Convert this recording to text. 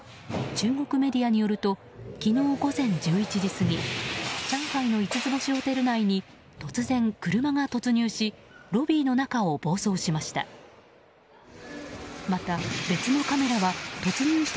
中国メディアによると昨日午前１１時過ぎ上海の五つ星ホテル内に突然、車が突入しロビーの中を暴走しました。